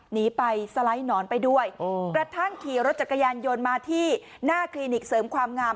หนีไปสไลด์หนอนไปด้วยกระทั่งขี่รถจักรยานยนต์มาที่หน้าคลินิกเสริมความงาม